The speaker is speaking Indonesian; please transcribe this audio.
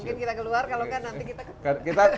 iya mungkin kita keluar kalau nanti kita